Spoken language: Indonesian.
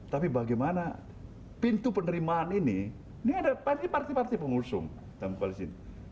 tapi bagaimana pintu penerimaan ini ini ada partai partai partai pengusung yang ke koalisi